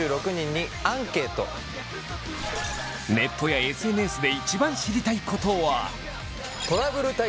ネットやＳＮＳで１番知りたいことは。